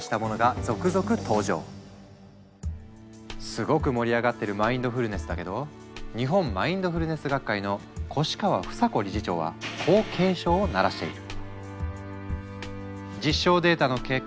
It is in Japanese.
すごく盛り上がってるマインドフルネスだけど日本マインドフルネス学会の越川房子理事長はこう警鐘を鳴らしている。